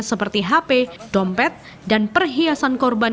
seperti hp dompet dan perhiasan korban